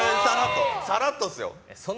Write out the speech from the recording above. さらっとですよ。